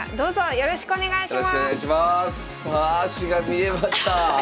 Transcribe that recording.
よろしくお願いします。